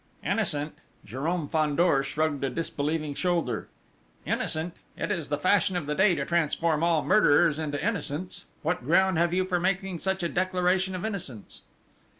"Innocent?" Jérôme Fandor shrugged a disbelieving shoulder: "Innocent! It is the fashion of the day to transform all murderers into innocents!... What ground have you for making such a declaration of innocence?"